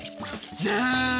じゃん！